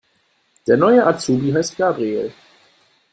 Der neue Azubi heißt Gabriel.